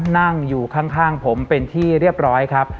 นั่งอยู่ข้างผมเป็นที่เรียบร้อยครับ